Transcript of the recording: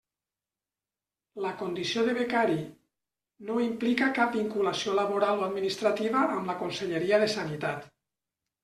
La condició de becari no implica cap vinculació laboral o administrativa amb la Conselleria de Sanitat.